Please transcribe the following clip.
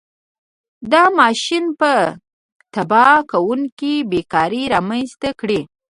دا ماشین به تباه کوونکې بېکاري رامنځته کړي.